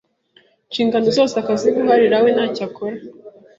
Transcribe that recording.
Inshingano zose akaziguharira we ntacyo akora.